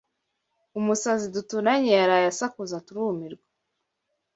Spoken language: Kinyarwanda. Umusazi duturanye yaraye asakuza turumirwa